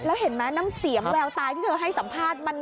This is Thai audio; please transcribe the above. แล้วเห็นไหมน้ำเสียงแววตายที่เธอให้สัมภาษณ์